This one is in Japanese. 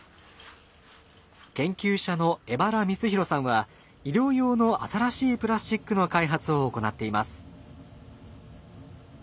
研究者の荏原充宏さんは医療用の新しいプラスチックの開発を行っています。